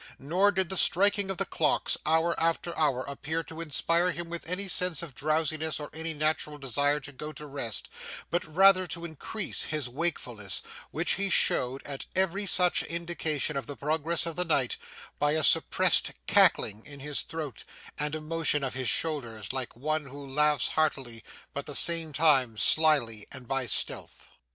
Nor did the striking of the clocks, hour after hour, appear to inspire him with any sense of drowsiness or any natural desire to go to rest, but rather to increase his wakefulness, which he showed, at every such indication of the progress of the night, by a suppressed cackling in his throat, and a motion of his shoulders, like one who laughs heartily but the same time slyly and by stealth.